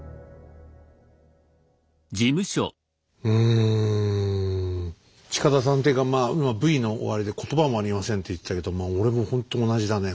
うん近田探偵がまあ今Ｖの終わりで「言葉もありません」って言ってたけど俺もほんと同じだね。